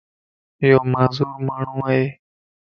ايو معذور ماڻھو ائي.